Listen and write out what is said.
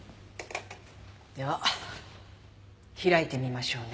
では開いてみましょうね。